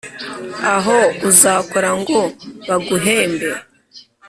aho uzakora ngo baguhembe